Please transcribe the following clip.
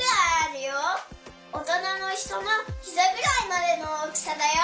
おとなのひとのひざぐらいまでの大きさだよ。